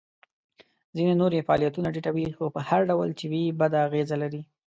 ځینې نور یې فعالیتونه ټیټوي خو په هر ډول چې وي بده اغیزه لري.